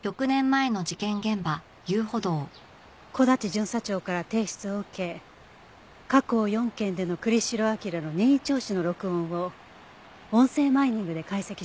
巡査長から提出を受け過去４件での栗城明良の任意聴取の録音を音声マイニングで解析しました。